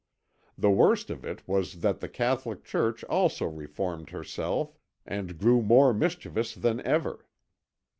The worst of it was that the Catholic Church also reformed herself and grew more mischievous than ever.